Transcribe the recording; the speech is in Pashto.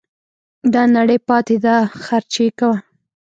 دا نړۍ پاته ده خرچې کوه